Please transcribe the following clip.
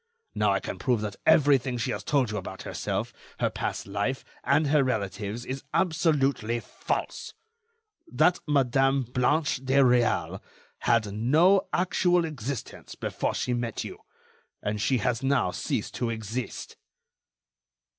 Now, I can prove that everything she has told you about herself, her past life, and her relatives, is absolutely false; that Madame Blanche de Réal had no actual existence before she met you, and she has now ceased to exist."